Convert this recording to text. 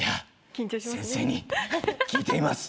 先生に聞いてみます。